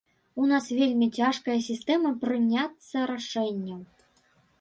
У нас вельмі цяжкая сістэма прыняцца рашэнняў.